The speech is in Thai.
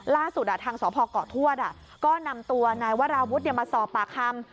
ล่าสุด่าทางสวพรเกาะทวดอ่ะก็นำตัวนายวราวุธเนี้ยมาสอบปลาคำ